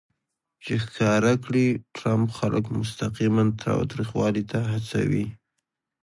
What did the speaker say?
چې ښکاره کړي ټرمپ خلک مستقیماً تاوتریخوالي ته هڅوي